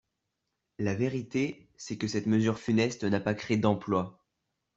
La vérité, c’est que cette mesure funeste n’a pas créé d’emplois.